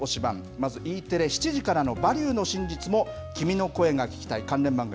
まずＥテレ、７時からのバリューの真実も、君の声が聴きたい関連番組。